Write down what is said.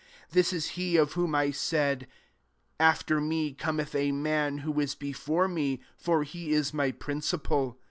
SO This is he of whom I said, < After me cometh a man, who is before me ; for he is my prin cipal.'